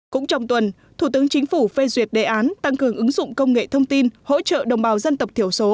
cũng trong tuần thủ tướng chính phủ phê duyệt đề án tăng cường ứng dụng công nghệ thông tin hỗ trợ đồng bào dân tộc thiểu số